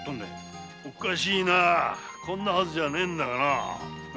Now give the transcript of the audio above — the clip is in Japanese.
おかしいなこんなはずじゃねぇんだがな。